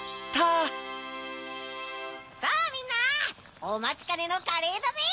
さぁみんなおまちかねのカレーだぜ！